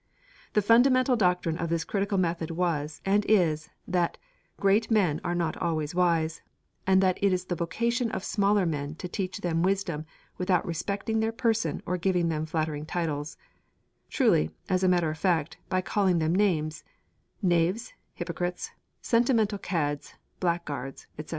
The fundamental doctrine of this critical method was, and is, that 'great men are not always wise,' and that it is the vocation of smaller men to teach them wisdom, without 'respecting their persons or giving them flattering titles' (truly, as a matter of fact, by calling them names knaves, hypocrites, sentimental cads, blackguards, etc.).